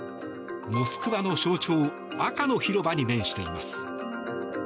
モスクワの象徴赤の広場に面しています。